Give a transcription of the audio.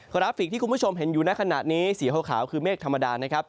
ราฟิกที่คุณผู้ชมเห็นอยู่ในขณะนี้สีขาวคือเมฆธรรมดานะครับ